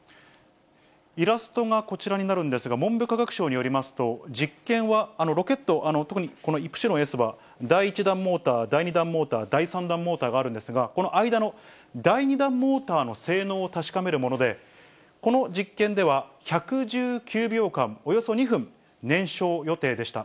イラストがこちらになるんですが、文部科学省によりますと、実験は、ロケット、特にこのイプシロンＳは第１段モーター、第２段モーター、第３段モーターがあるんですが、この間の第２段モーターの性能を確かめるもので、この実験では、１１９秒間、およそ２分燃焼予定でした。